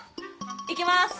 行きます。